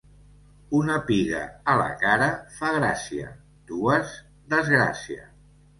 Una piga a la cara fa gràcia; dues, desgràcia.